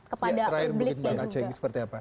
kepada publiknya juga